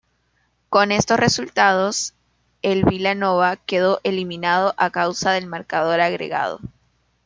Con estos resultados, el Vila Nova quedó eliminado a causa del marcador agregado.